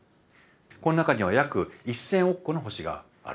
この中には約１，０００億個の星がある。